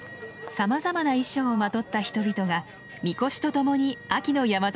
さまざまな衣装をまとった人々が神輿と共に秋の山里を練り歩く